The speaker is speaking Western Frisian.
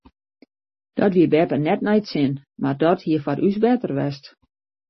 Dat wie beppe net nei it sin mar dat hie foar ús better west.